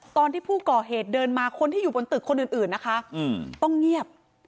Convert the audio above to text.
ตอนที่ผู้ก่อเหตุเดินมาคนที่อยู่บนตึกคนอื่นนะคะต้องเงียบ